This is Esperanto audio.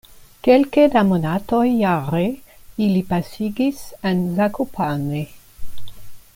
Kelke da monatoj jare ili pasigis en Zakopane.